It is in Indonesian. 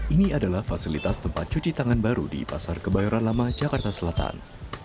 ini adalah fasilitas tempat cuci tangan baru di pasar kebayoran lama jakarta selatan